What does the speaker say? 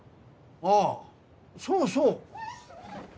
あぁそうそう。